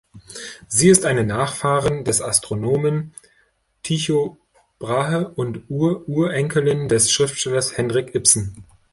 Sie ist eine Nachfahrin des Astronomen Tycho Brahe und Ur-Urenkelin des Schriftstellers Henrik Ibsen.